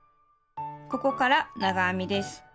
ここから長編みです。